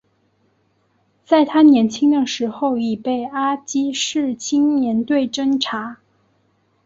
在他年轻的时候已被阿积士青年队侦察。